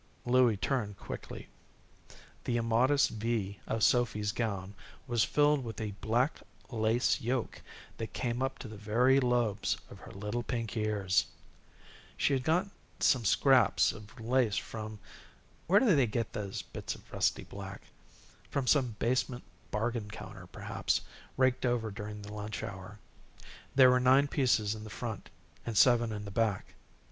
Louie turned quickly. The immodest V of Sophy's gown was filled with a black lace yoke that came up to the very lobes of her little pink ears. She had got some scraps of lace from Where do they get those bits of rusty black? From some basement bargain counter, perhaps, raked over during the lunch hour. There were nine pieces in the front, and seven in the back.